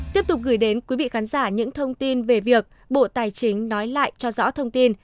tiếp tục gửi đến quý vị khán giả những thông tin về việc bộ tài chính nói lại cho rõ thông tin